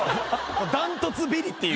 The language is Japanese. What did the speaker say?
断トツビリっていう。